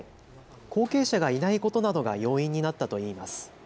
後継者がいないことなどが要因になったといいます。